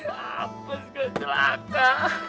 hapus gak jelaka